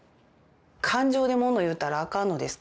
感情で物言うたらあかんのですか？